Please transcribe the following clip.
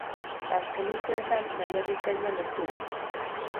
Azken urteetan maila bikaina lortu du.